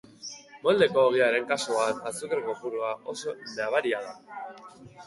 Moldeko ogiaren kasuan, azukre kopurua oso nabaria da.